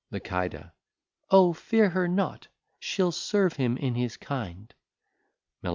Lici. O fear her not! she'l serve him in his kind. _Meli.